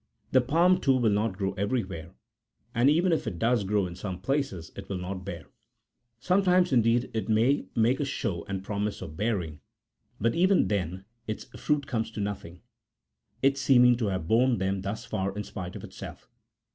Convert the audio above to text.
The palm, too, will not grow everywhere, and even if it does grow in some places, it will not bear : sometimes, indeed, it may make a show and promise of bearing, but even then its fruit comes to nothing, it seeming to have borne them thus far in spite of itself.